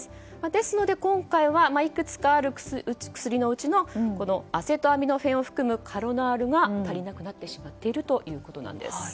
ですので今回はいくつかある薬のうちのアセトアミノフェンを含むカロナールが足りなくなってしまっているということです。